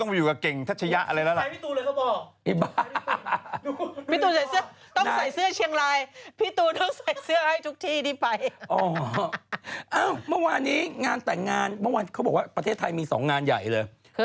เมื่อวานนี้งานแต่งงานเมื่อวานเขาบอกว่าประเทศไทยมี๒งานใหญ่เลย